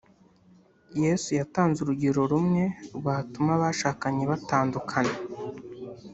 Yesu yatanze urugero rumwe rwatuma abashakanye batandukana